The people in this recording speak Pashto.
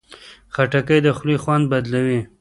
خټکی د خولې خوند بدلوي.